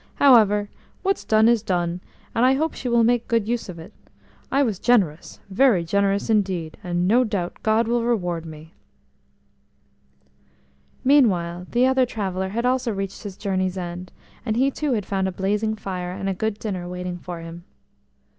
However, what's done, is done, and I hope she will make good use of it. I was generous, very generous indeed, and no doubt God will reward me." Meanwhile the other traveller had also reached his journey's end; and he too had found a blazing fire and good dinner awaiting him.